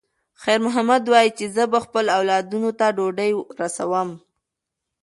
خیر محمد وایي چې زه به خپلو اولادونو ته ډوډۍ رسوم.